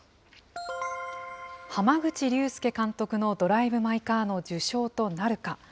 濱口竜介監督のドライブ・マイ・カーの受賞となるか。